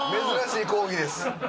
珍しい抗議です。